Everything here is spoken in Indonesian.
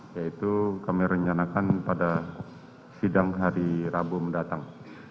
yaitu kami rencanakan pada sidang hari rabu mendatang